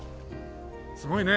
すごいね。